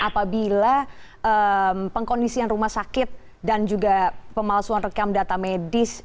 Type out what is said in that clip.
apabila pengkondisian rumah sakit dan juga pemalsuan rekam data medis